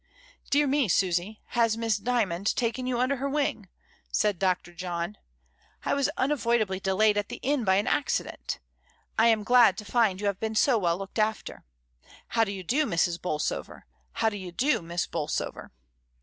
"Dear me, Susy, has Miss Dymond taken you under her wing?" said Dr. John. "I was unavoid ably delayed at the inn by an accident I am glad to find you have been so well looked after. How do you do, Mrs. Bolsover? How do you do. Miss Bolsover?"